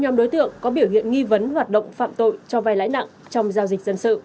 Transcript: nhóm đối tượng có biểu hiện nghi vấn hoạt động phạm tội cho vai lãi nặng trong giao dịch dân sự